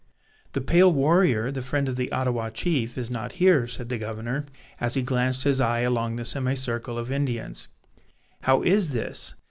"The pale warrior, the friend of the Ottawa chief, is not here," said the governor, as he glanced his eye along the semi circle of Indians. "How is this?